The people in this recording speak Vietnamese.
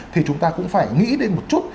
thì chúng ta cũng phải nghĩ đến một chút